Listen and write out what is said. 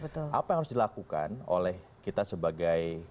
jauh lebih mudah gitu kan apa yang harus dilakukan oleh kita sebagai